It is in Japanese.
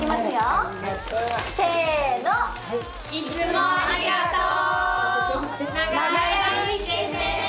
いつもありがとう。